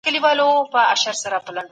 ګل محمد کاکړ عيشي کندهارى